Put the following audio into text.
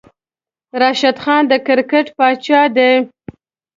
راشد خان د کرکیټ پاچاه دی